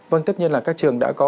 vâng tất nhiên là các trường đã có